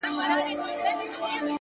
ما خو خپل زړه هغې ته وركړى ډالۍ،